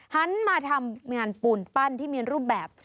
หันมาทำงานปูนปั้นที่มีรูปแบบ